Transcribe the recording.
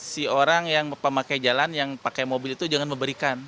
si orang yang pemakai jalan yang pakai mobil itu jangan memberikan